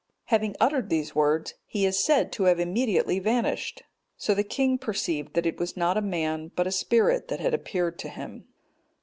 Having uttered these words, he is said to have immediately vanished. So the king perceived that it was not a man, but a spirit, that had appeared to him.